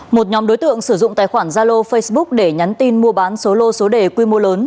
một nhóm đối tượng sử dụng tài khoản zalo facebook để nhắn tin mua bán số lô số đề quy mô lớn